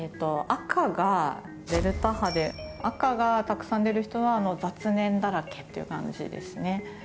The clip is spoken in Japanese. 赤がデルタ波で赤がたくさん出る人は雑念だらけっていう感じですね。